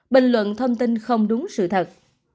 bình luận thông tin không đúng sự thật